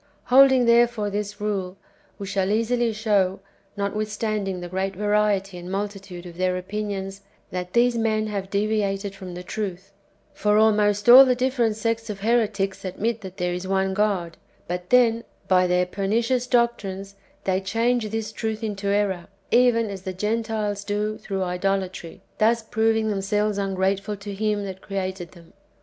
Holding, therefore, this rule, we shall easily show, notwithstanding the great variety and multitude of their opinions, that these men have deviated from the truth ; for almost all the different sects of heretics admit that there is one God ; but then, by their pernicious doctrines, they change [this truth into error], even as the Gen tiles do through idolatry, — thus proving themselves ungrate ful to Him that created them.